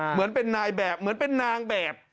เหมือนเป็นนายแบบเหมือนเป็นนางแบบ